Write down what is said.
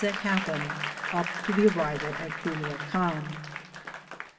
that happened up to the arrival at Cnliacan.